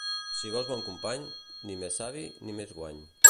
Si vols bon company, ni més savi, ni més guany.